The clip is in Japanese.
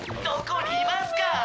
「どこにいますか？」